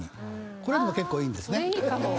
これでも結構いいんですね。